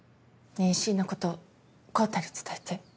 妊娠のこと昂太に伝えて。